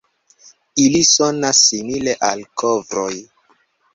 Ili sonas simile al korvoj.